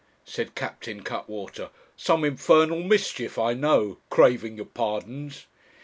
said Captain Cuttwater; 'some infernal mischief, I know, craving your pardons.'